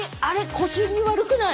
腰に悪くない？